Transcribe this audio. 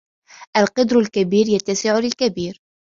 القِدْر الكبير يتسع للكبير